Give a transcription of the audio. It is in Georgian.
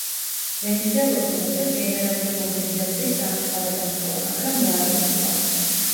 ვენიზელოსმა მეფეს გენერალური მობილიზაციის გამოცხადება სთხოვა, მაგრამ უარი მიიღო.